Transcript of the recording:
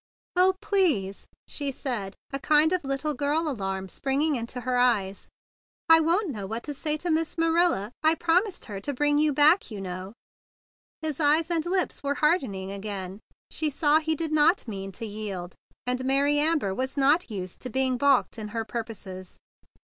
"Oh, please!" she said, a kind of little girl alarm springing into her eyes. "I sha'n't know what to say to Miss Marilla. I proipised her to bring you back, you know." His eyes and lips were hardening again. She saw he did not mean to 126 THE BIG BLUE SOLDIER yield, and Mary Amber was not used to being balked in her purposes.